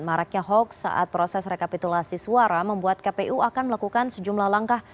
maraknya hoax saat proses rekapitulasi suara membuat kpu akan melakukan sejumlah langkah